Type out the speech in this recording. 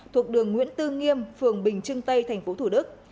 thuộc đường nguyễn tư nghiêm phường bình trưng tây thành phố thủ đức